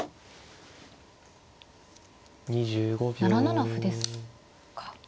７七歩ですか。